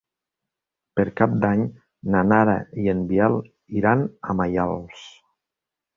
Per Cap d'Any na Nara i en Biel iran a Maials.